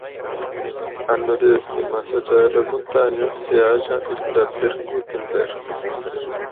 Al noreste, más allá de las montañas, se halla el cráter Gutenberg.